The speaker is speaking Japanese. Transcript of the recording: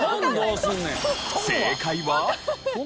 正解は。